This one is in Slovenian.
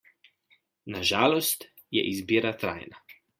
Na žalost je izbira trajna.